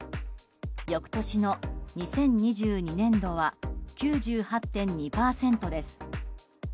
翌年の２０２２年度は９８．２％です。